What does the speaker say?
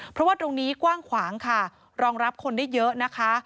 เพราะว่าตรงนี้กว้างขวางค่ะรองรับคนได้เยอะนะคะ